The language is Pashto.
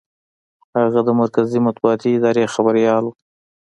هغه د مرکزي مطبوعاتي ادارې خبریال و.